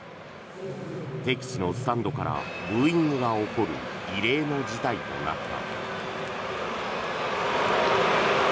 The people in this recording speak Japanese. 敵地のスタンドからブーイングが起こる異例の事態となった。